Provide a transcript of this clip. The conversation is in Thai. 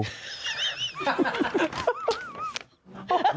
หอมใช่นะครับ